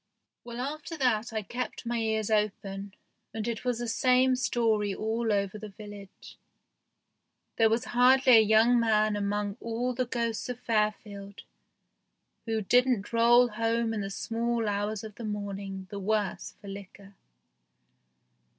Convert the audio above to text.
Well, after that I kept my ears open, and it was the same story all over the village. There was hardly a young man among all the ghosts of Fairfield who didn't roll home in the small hours of the morning the worse for liquor.